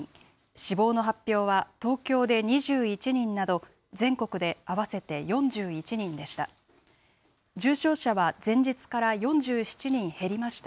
死亡の発表は東京で２１人など、全国で合わせて４１人でした。